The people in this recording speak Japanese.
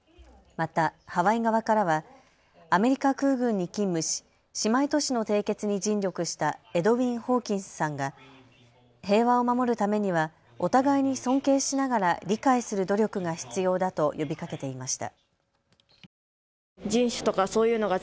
またハワイ側からはアメリカ空軍に勤務し姉妹都市の締結に尽力したエドウィン・ホーキンスさんが平和を守るためにはお互いに尊敬しながら理解する努力が必要だと呼びかけていました。